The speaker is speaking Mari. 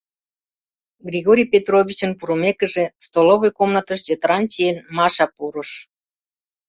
Григорий Петрович пурымекыже, столовый комнатыш йытыран чиен, Маша пурыш.